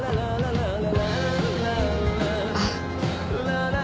あっ。